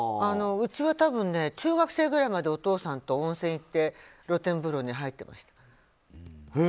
うちは中学生ぐらいまでお父さんと温泉行って露天風呂に入ってました。